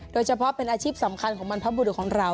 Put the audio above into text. โดยเฉพาะเป็นอาชีพสำคัญของบรรพบุรุษของเรา